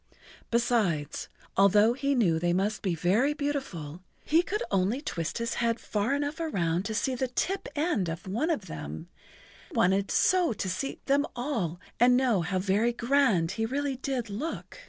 Besides, although he knew they must be very beautiful, he could only twist his head far enough around to see the tip end of one of them, and he wanted so to see them all and know how very grand he really did look.